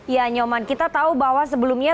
ya nyoman kita tahu bahwa sebelumnya